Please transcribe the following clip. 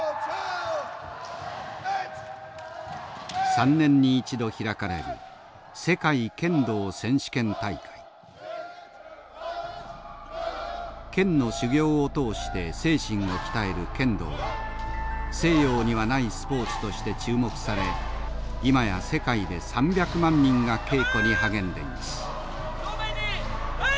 ３年に１度開かれる剣の修行を通して精神を鍛える剣道は西洋にはないスポーツとして注目され今や世界で３００万人が稽古に励んでいます。